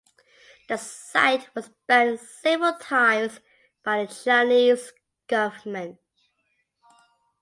The site was banned several times by the Chinese government.